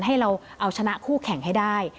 ให้เราเอาชนะคู่แข่งให้ได้